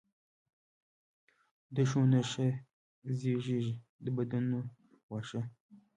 دښو نه ښه زیږیږي، د بدونه واښه.